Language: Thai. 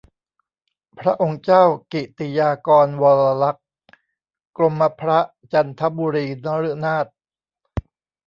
พระองค์เจ้ากิติยากรวรลักษณ์ กรมพระจันทบุรีนฤนาถ